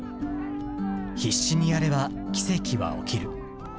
必死にやれば奇跡は起きる。